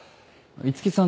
五木さん